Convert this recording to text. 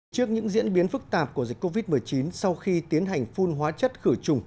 trước những diễn biến phức tạp của dịch covid một mươi chín sau khi tiến hành phun hóa chất khử trùng